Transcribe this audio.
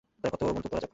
তার ক্ষত বন্ধ করা যাক।